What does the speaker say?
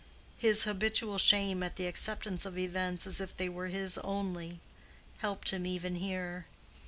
His habitual shame at the acceptance of events as if they were his only, helped him even here.